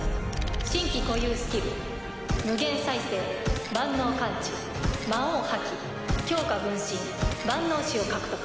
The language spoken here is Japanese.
新規固有スキル「無限再生万能感知魔王覇気強化分身万能糸」を獲得。